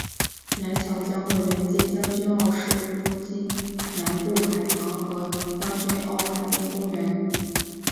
南桥将会连接将军澳市中心南部海旁和将军澳海滨公园。